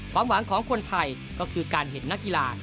ความหวังของคนไทยก็คือการเห็นนักกีฬา